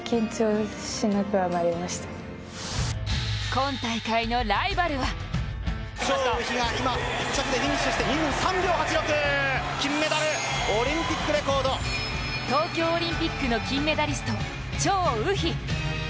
今大会のライバルは東京オリンピックの金メダリスト、張雨霏。